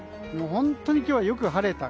本当に今日はよく晴れた。